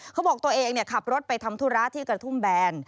เขาบอกตัวเองขับรถไปทำธุระที่กระทุ่มแบน